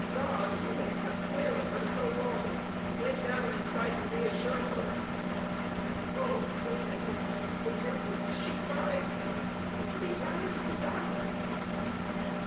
Dodd, who had kept clear of her so long, went down and tried to reassure her. "Oh, the tempest! the tempest!" she cried. "And to be drowned in the dark!"